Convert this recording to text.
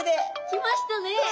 きましたね！